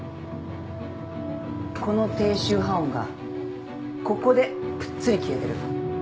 この低周波音がここでぷっつり消えてる。